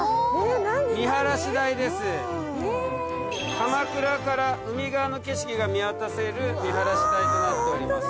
鎌倉から海側の景色が見渡せる見晴台となっております。